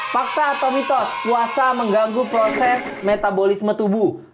fakta atau mitos puasa mengganggu proses metabolisme tubuh